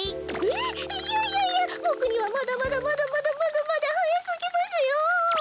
えっいやいやいやぼくにはまだまだまだまだまだまだはやすぎますよ。